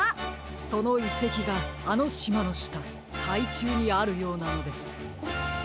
そのいせきがあのしまのしたかいちゅうにあるようなのです。